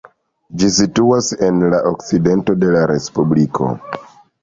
Ĝi situas en la okcidento de la respubliko.